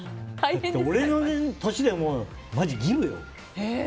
俺の年でも、マジギブよ。